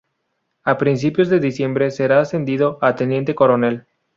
A principios de diciembre será ascendido a teniente coronel.